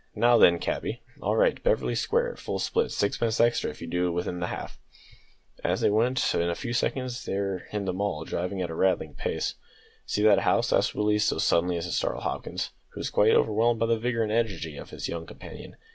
"Now then, cabby, all right, Beverly Square, full split; sixpence extra if you do it within the half!" Away they went, and in a few seconds were in the Mall driving at a rattling pace. "See that house?" asked Willie, so suddenly as to startle Hopkins, who was quite overwhelmed by the vigour and energy of his young companion.